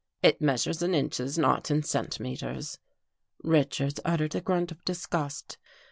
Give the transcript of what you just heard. " It measures in inches, not in centimeters." Richards uttered a grunt of disgust.